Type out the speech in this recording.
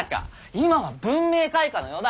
今は文明開化の世だ。